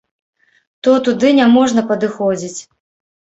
То туды няможна падыходзіць.